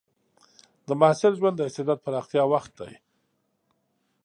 د محصل ژوند د استعداد پراختیا وخت دی.